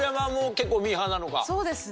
そうですね。